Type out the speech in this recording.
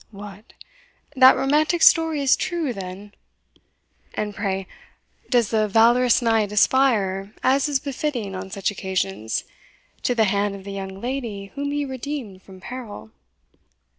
"What! that romantic story is true, then? And pray, does the valorous knight aspire, as is befitting on such occasions, to the hand of the young lady whom he redeemed from peril?